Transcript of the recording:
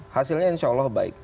hasilnya insya allah baik